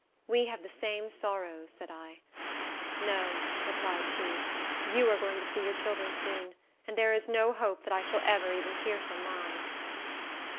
"We have the same sorrows," said I. "No," replied she, "you are going to see your children soon, and there is no hope that I shall ever even hear from mine."